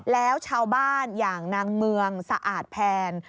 แล้วชาวบ้านอย่างนางเมืองสะอาดแพน